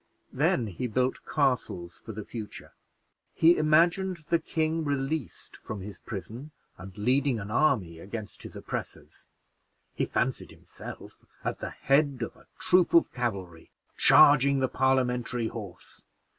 Then he built castles for the future. He imagined the king released from his prison, and leading an army against his oppressors; he fancied himself at the head of a troop of cavalry, charging the Parliamentary horse.